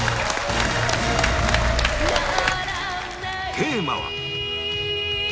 テーマは